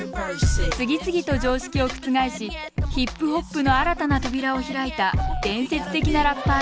次々と常識を覆しヒップホップの新たな扉を開いた伝説的なラッパーです